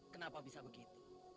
kenapa bisa begitu